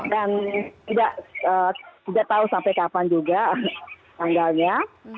dan tidak tahu sampai kapan juga tanggalnya